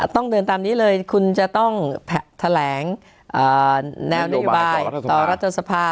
ต้องเดินตามนี้เลยคุณจะต้องแถลงแนวนโยบายต่อรัฐสภา